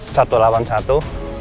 satu lawan satu